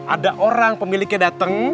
ada orang pemiliknya datang